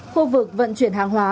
khu vực vận chuyển hàng hóa